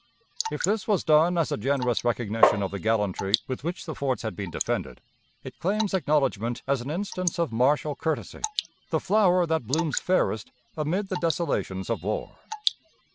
If this was done as a generous recognition of the gallantry with which the forts had been defended, it claims acknowledgment as an instance of martial courtesy the flower that blooms fairest amid the desolations of war.